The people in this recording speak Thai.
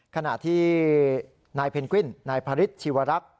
ขณะที่นายเพนกวินนายพระฤทธิวรักษ์